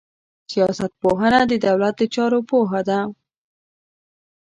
سياست پوهنه د دولت د چارو پوهه ده.